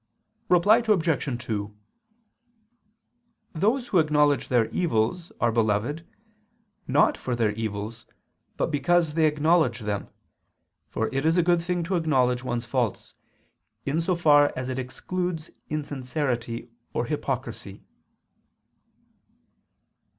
Reply Obj. 2: Those who acknowledge their evils, are beloved, not for their evils, but because they acknowledge them, for it is a good thing to acknowledge one's faults, in so far as it excludes insincerity or hypocrisy.